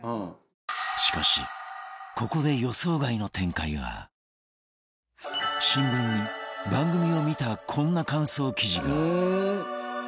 しかしここで新聞に番組を見たこんな感想記事が